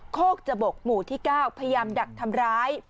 โคกจบกหมู่ที่๙พยายามดักทำร้าย